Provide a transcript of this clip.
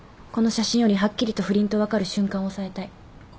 この写真よりはっきりと不倫と分かる瞬間を押さえたい。